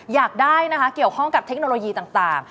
อยากได้นะคะเกี่ยวข้องกับเทคโนโลยีต่าง